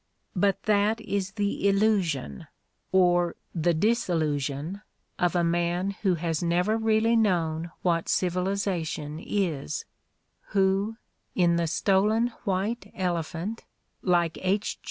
But that is the illusion, or the disillusion, of a man who has never really known what civilization is, who, in "The Stolen White Elephant," like H.